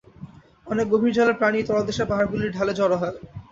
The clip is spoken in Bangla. অনেক গভীর জলের প্রাণী এই তলদেশের পাহাড়গুলির ঢালে জড়ো হয়।